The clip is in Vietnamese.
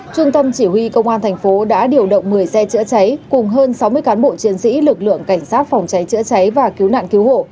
trung tâm chỉ huy công an thành phố đã điều động một mươi xe chữa cháy cùng hơn sáu mươi cán bộ chiến sĩ lực lượng cảnh sát phòng cháy chữa cháy và cứu nạn cứu hộ